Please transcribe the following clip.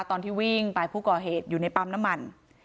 ตอนที่วิ่งไปผู้ก่อเหตุอยู่ในปั๊มน้ำมัน